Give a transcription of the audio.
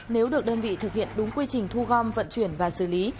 nếu được đơn vị thực hiện đúng quy trình thu gom vận chuyển và xử lý